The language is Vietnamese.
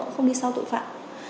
để mình không đi sau tội phạm